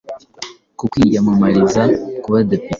ku kwiyamamariza kuba depite